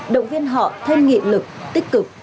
động viên họ thêm nghị lực tích cực